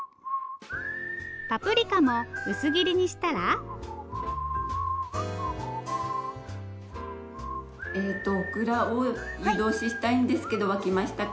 パプリカも薄切りにしたらオクラを湯通ししたいんですけど沸きましたか？